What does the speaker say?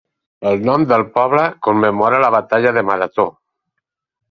El nom del poble commemora la batalla de Marató.